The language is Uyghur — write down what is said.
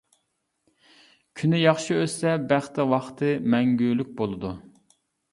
كۈنى ياخشى ئۆتسە بەختى ۋاقتى مەڭگۈلۈك بولىدۇ.